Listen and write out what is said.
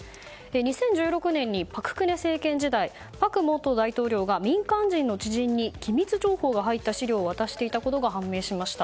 ２０１６年に朴槿惠政権時代朴元大統領が民間人の知人に機密情報が入った資料を渡していたことが判明しました。